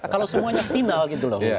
kalau semuanya final gitu loh